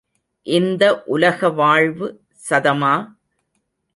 இந்த உலக வாழ்வு சதமா?